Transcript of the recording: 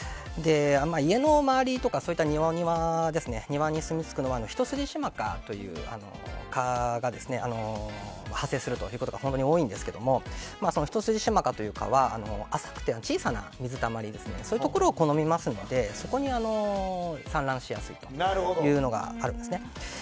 家の周りとか庭にすみつくのはヒトスジシマカという蚊が発生するということが本当に多いんですがヒトスジシマカという蚊は浅くて小さな水たまりそういうところを好みますのでそこに産卵しやすいというのがあるんですね。